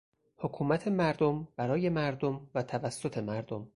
حکومت مردم، برای مردم و توسط مردم